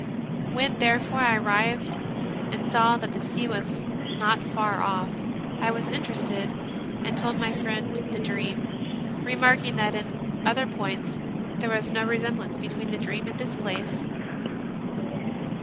When, therefore, I arrived and saw that the sea was not far off, I was interested, and told my friend the dream, re marking that in other points there was no resem blance between the dream and this place.